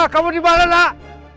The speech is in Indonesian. kamu dimana nak